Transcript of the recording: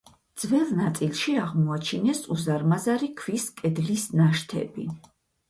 ძველ ნაწილში აღმოაჩინეს უზარმაზარი ქვის კედლის ნაშთები.